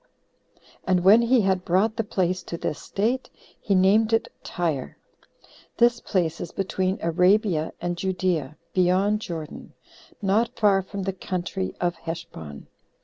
And when he had brought the place to this state, he named it Tyre. This place is between Arabia and Judea, beyond Jordan, not far from the country of Heshbon.